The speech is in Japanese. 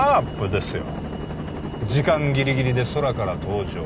ですよ時間ギリギリで空から登場